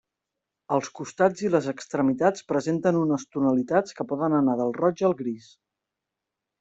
Els costats i les extremitats presenten unes tonalitats que poden anar del roig al gris.